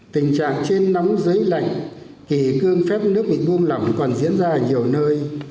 tình trạng trên nóng giấy lạnh kỳ cương phép nước bị buông lỏng còn diễn ra ở nhiều nơi